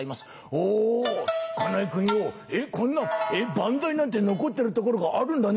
「おぉ金井君よこんな番台なんて残ってる所があるんだね」。